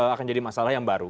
akan jadi masalah yang baru